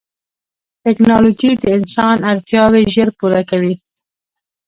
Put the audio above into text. ټکنالوجي د انسان اړتیاوې ژر پوره کوي.